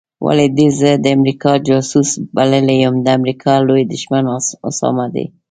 ولي دي زه د امریکا جاسوس بللی یم د امریکا لوی دښمن اسامه دی